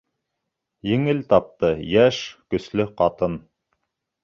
Еңел тапты йәш, көслө ҡатын.